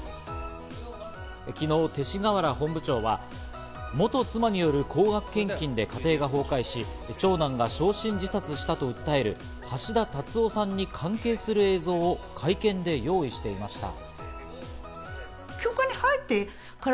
昨日、勅使河原本部長は元妻による高額献金で家庭が崩壊し、長男が焼身自殺したと訴える橋田達夫さんに関係する映像を会見で用意していました。